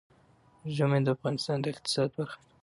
ژمی د افغانستان د اقتصاد برخه ده.